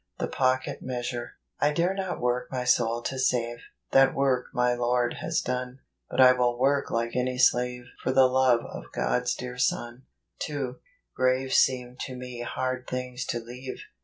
The Pocket Measure. ' I dare not i cork my soul to save , That work my Lord has done; But I will work like any slave For the love of God's dear Son." 2. Graves seem to me hard things to leave.